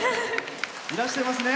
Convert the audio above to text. いらしてますね。